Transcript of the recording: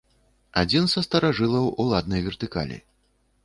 Адзін са старажылаў уладнай вертыкалі.